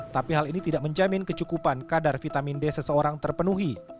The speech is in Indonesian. tapi hal ini tidak menjamin kecukupan kadar vitamin d seseorang terpenuhi